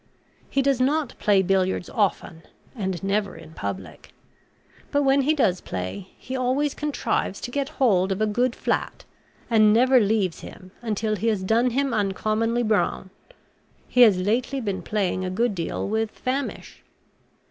He does not play billiards often, and never in public: but when he does play, he always contrives to get hold of a good flat, and never leaves him till he has done him uncommonly brown. He has lately been playing a good deal with Famish.